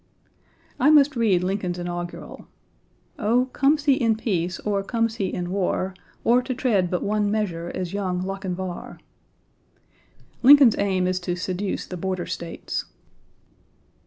I must read Lincoln's inaugural. Oh, "comes he in peace, or comes he in war, or to tread but one measure as Young Lochinvar?" Lincoln's aim is to seduce the border States.